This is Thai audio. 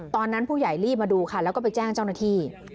ตอนนั้นผู้ใหญ่รีบมาดูค่ะแล้วก็ไปแจ้งเจ้าหน้าที่